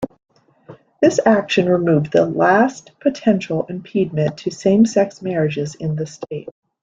This action removed the last potential impediment to same-sex marriages in the state.